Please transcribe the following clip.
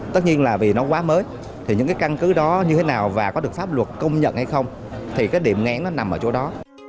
tất nhiên là vì nó quá mới thì những cái căn cứ đó như thế nào và có được pháp luật công nhận hay không thì cái điểm ngén nó nằm ở chỗ đó